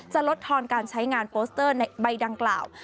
ลดทอนการใช้งานโปสเตอร์ในใบดังกล่าว